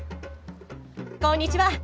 こんにちは。